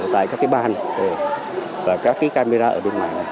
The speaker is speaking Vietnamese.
tại các ban và các camera ở bên ngoài